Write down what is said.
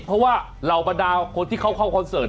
เพราะว่าเหล่าบรรดาคนที่เขาเข้าคอนเสิร์ต